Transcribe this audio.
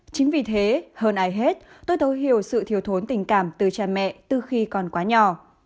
chính vì thế hơn ai hết tôi thấu hiểu sự thiếu thốn tình cảm từ cha mẹ từ khi còn quá nhỏ